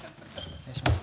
失礼します。